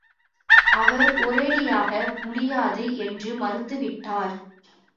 அவர் ஒரேயடியாக முடியாது என்று மறுத்து விட்டார்.